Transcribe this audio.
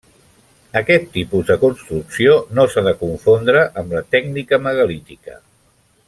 Aquest tipus de construcció no s'ha de confondre amb la tècnica megalítica.